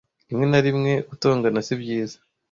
rimwe na rimwe gutongana si byiza